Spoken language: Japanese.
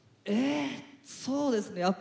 えそうですね